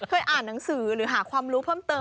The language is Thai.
อ่านหนังสือหรือหาความรู้เพิ่มเติม